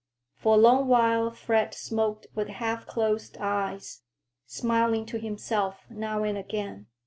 For a long while Fred smoked with half closed eyes, smiling to himself now and again.